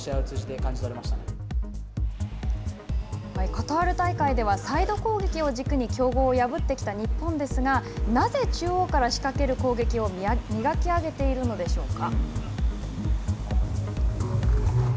カタール大会ではサイド攻撃を軸に強豪を破ってきた日本ですが、なぜ中央から仕掛ける攻撃を磨き上げているのでしょうか。